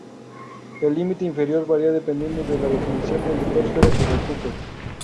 El límite inferior varía dependiendo de la definición de litosfera que se ocupe.